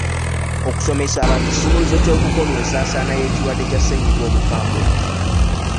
Okusomesa abantu kisumuluzo ky'okukomya ensaasaana y'ekirwadde kya ssennyiga omukambwe.